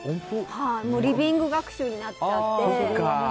リビング学習になっちゃって。